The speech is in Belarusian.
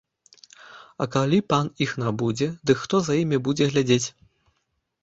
А калі пан іх набудзе, дык хто за імі будзе глядзець?